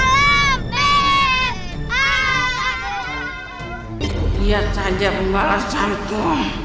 lihat saja pembalasan ku